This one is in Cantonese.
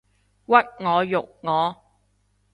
屈我辱我